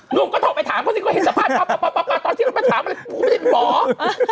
หนุ่มก็ถูกไปถามเขาสิเขาเห็นสภาพตอนที่เขามาถามเขาไม่ได้บอก